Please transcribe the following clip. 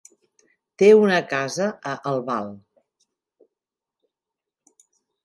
Té una casa a Albal.